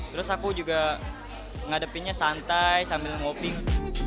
terus aku juga ngadepinnya santai sambil ngoping